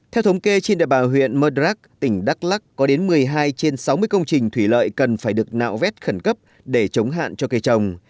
theo thống kê trên địa bàn huyện mật rắc tỉnh đắk lắc có đến một mươi hai trên sáu mươi công trình thủy lợi cần phải được nạo vét khẩn cấp để chống hạn cho cây trồng